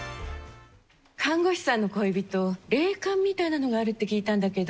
看護師さんの恋人、霊感みたいなのがあるって聞いたんだけど。